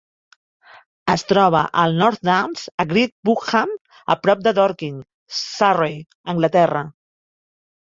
Es troba al North Downs a Great Bookham, a prop de Dorking, Surrey, Anglaterra.